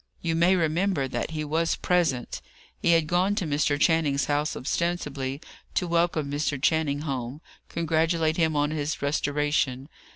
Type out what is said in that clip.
You may remember that he was present. He had gone to Mr. Channing's house ostensibly to welcome Mr. Channing home and congratulate him on his restoration.